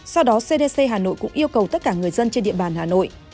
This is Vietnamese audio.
sau đó cdc hà nội cũng yêu cầu tất cả người dân trên địa bàn hà nội